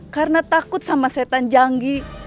karena takut sama setan janggi